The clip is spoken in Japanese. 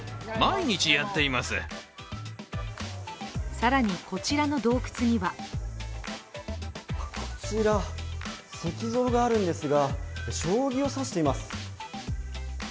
更に、こちらの洞窟にはこちら、石像があるんですが将棋を指しています。